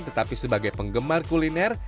tetapi sebagai penggemar kuliner